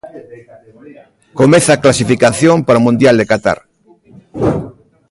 Comeza a clasificación para o mundial de Qatar.